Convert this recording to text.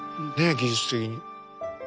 技術的に。